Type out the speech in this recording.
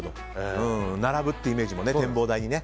並ぶってイメージも展望台にね。